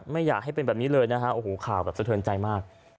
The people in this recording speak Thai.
ไม่อยากให้เป็นแบบนี้เลยนะฮะโอ้โหข่าวแบบสะเทินใจมาก